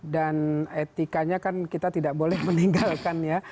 dan etikanya kan kita tidak boleh meninggalkan ya